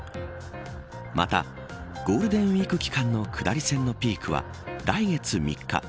またゴールデンウイーク期間の下り線のピークは来月３日。